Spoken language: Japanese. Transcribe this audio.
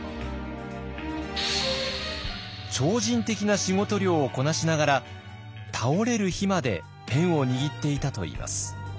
超人的な仕事量をこなしながら倒れる日までペンを握っていたといいます。